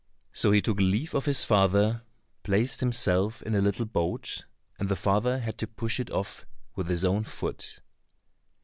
So he took leave of his father, placed himself in a little boat, and the father had to push it off with his own foot.